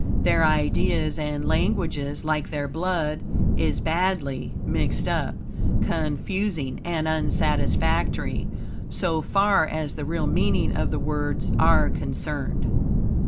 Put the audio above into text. Their ideas and language, like their blood, is badly mixed up, confusing, and unsatisfactory, so far as the real meaning of the words are concerned.